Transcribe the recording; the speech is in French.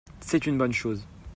c'est une bonne chose.